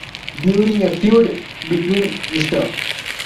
During a feud between Mr.